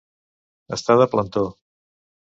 Estar de plantó.